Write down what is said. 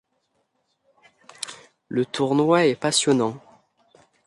Le tournoi est passionnant.